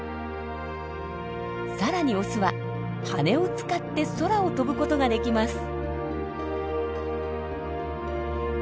さらにオスは羽を使って空を飛ぶことができます。